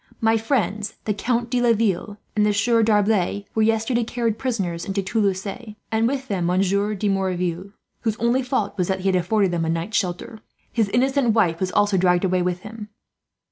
My friends, the Count de Laville and the Sieur D'Arblay, were yesterday carried prisoners into Toulouse; and with them Monsieur de Merouville, whose only fault was that he had afforded them a night's shelter. His innocent wife was also dragged away with him.